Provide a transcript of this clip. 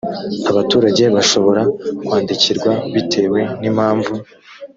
abaturage bashobora kwandikirwa bitewe nimpamvu.